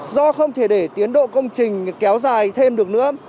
do không thể để tiến độ công trình kéo dài thêm được nữa